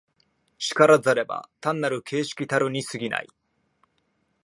然らざれば単なる形式たるに過ぎない。